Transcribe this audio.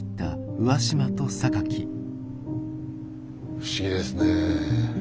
不思議ですねえ